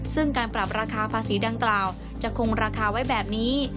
ซึ่งการปรับราคาภาษีดังกล่าวจะคงราคาไว้แบบนี้